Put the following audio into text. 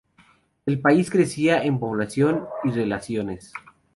El país crecía en población y en relaciones.